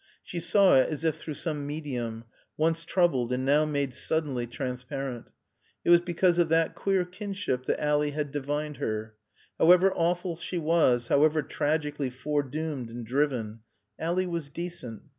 She saw it as if through some medium, once troubled and now made suddenly transparent. It was because of that queer kinship that Ally had divined her. However awful she was, however tragically foredoomed and driven, Ally was decent.